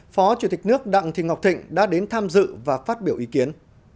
phó chủ tịch nước đặng thị ngọc thịnh đã đến tham dự và phát biểu ý kiến